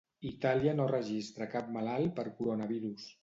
Itàlia no registra cap malalt per coronavirus